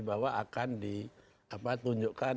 bahwa akan ditunjukkan